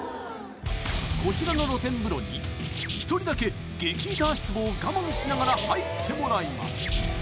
こちらの露天風呂に１人だけ激イタ足ツボを我慢しながら入ってもらいます